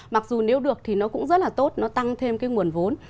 mặc dù nếu được thì nó cũng rất là tốt nó tăng thêm cái nguồn vốn